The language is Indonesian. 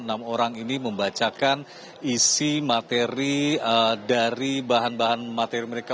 enam orang ini membacakan isi materi dari bahan bahan materi mereka